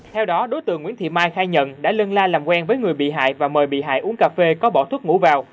theo đó đối tượng nguyễn thị mai khai nhận đã lưng la làm quen với người bị hại và mời bị hại uống cà phê có bỏ thuốc ngủ vào